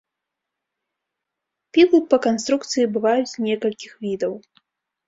Пілы па канструкцыі бываюць некалькіх відаў.